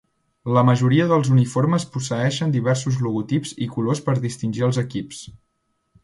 La majoria dels uniformes posseeixen diversos logotips i colors per distingir els equips.